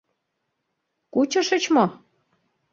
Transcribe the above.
Кучышыч мо?